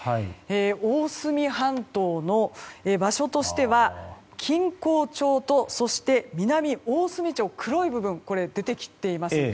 大隅半島の場所としては錦江町とそして南大隅町黒い部分が出てきています。